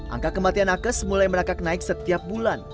angka kematian nakes mulai merangkak naik setiap bulan